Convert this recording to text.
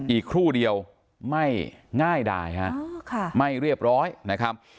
ครู่เดียวไม่ง่ายดายฮะไม่เรียบร้อยนะครับ